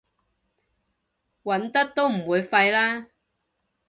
揾得都唔會廢啦